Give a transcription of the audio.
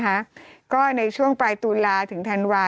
จำกัดจำนวนได้ไม่เกิน๕๐๐คนนะคะ